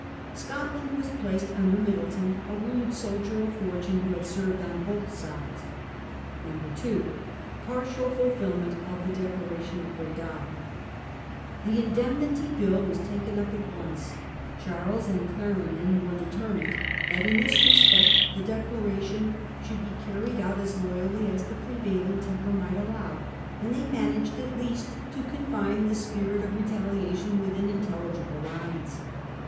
Scotland was placed under Middleton, a rude soldier of fortune who had served on both sides. 2. Partial Fulfilment of the Declaration of Breda. The Indemnity Bill was taken up at once. Charles and Clarendon were determined that in this respect the Partial Declaration should be carried out as loyally as indemnity. t | ie p reV ailing temper might allow; and they managed at least to confine the spirit of retaliation within intelligible lines.